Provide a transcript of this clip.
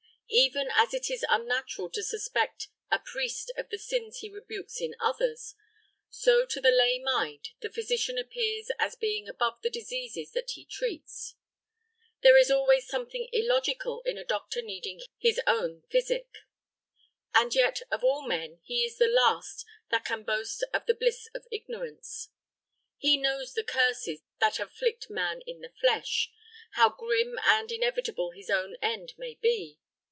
Even as it is unnatural to suspect a priest of the sins he rebukes in others, so to the lay mind the physician appears as a being above the diseases that he treats. There is always something illogical in a doctor needing his own physic. And yet of all men he is the last that can boast of the bliss of ignorance. He knows the curses that afflict man in the flesh, how grim and inevitable his own end may be.